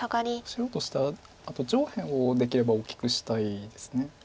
白としてはあと上辺をできれば大きくしたいです。